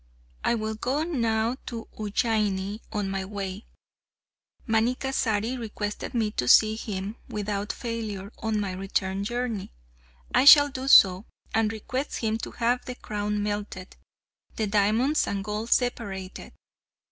I will go now to Ujjaini on my way. Manikkasari requested me to see him without failure on my return journey. I shall do so, and request him to have the crown melted, the diamonds and gold separated.